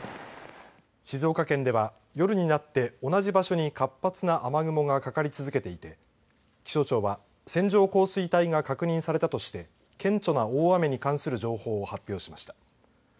静岡県では夜になって同じ場所に活発な雨雲がかかり続けていて気象庁は線状降水帯が確認されたとして顕著な大雨に関する情報を発表しました。